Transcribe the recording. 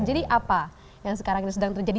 jadi apa yang sekarang sedang terjadi